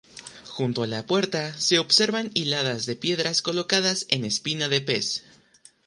Junto a la puerta se observan hiladas de piedras colocadas en espina de pez.